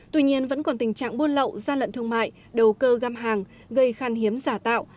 tuy nhiên vẫn còn tình trạng buôn lậu gian lận thương mại đầu cơ găm hàng gây khăn hiếm giả tạo